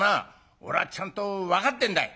俺はちゃんと分かってんだ」。